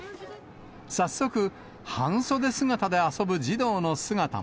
早速、半袖姿で遊ぶ児童の姿も。